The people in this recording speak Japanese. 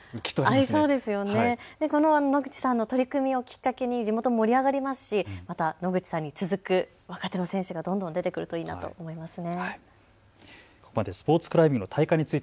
野口さんの取り組みをきっかけに地元も盛り上がりますしまた野口さんに続く若手の選手がどんどん出てくるといいなと思いますね。